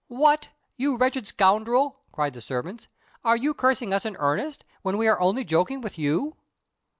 "What! you wretched scoundrel," cried the servants, "are you cursing us in earnest, when we are only joking with you!"